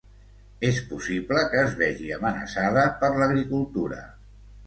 És possible que es vegi amenaçada per l'agricultura.